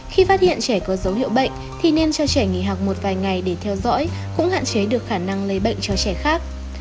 khi phát hiện trẻ có dấu hiệu bệnh thì nên cho trẻ nghỉ học một vài ngày để theo dõi cũng hạn chế được khả năng lây bệnh cho trẻ khác